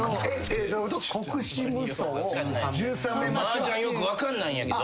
マージャンよく分かんないんやけど。